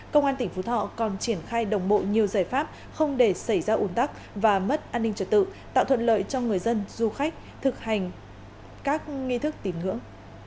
công an tỉnh phú thọ còn triển khai đồng bộ nhiều giải pháp không để xảy ra ủn tắc và mất an ninh trật tự tạo thuận lợi cho người dân du khách thực hành các nghi thức tín ngưỡng